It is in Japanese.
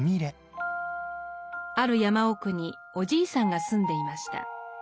ある山奥におじいさんが住んでいました。